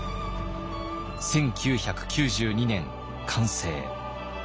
１９９２年完成。